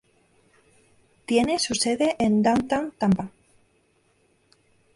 Tiene su sede en Downtown Tampa.